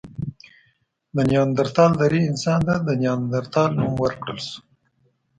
د نیاندرتال درې انسان ته د نایندرتال نوم ورکړل شو.